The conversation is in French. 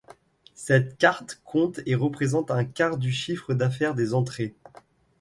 Cette carte compte et représente un quart du chiffre d’affaires des entrées.